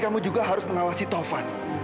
kamu juga harus mengawasi taufan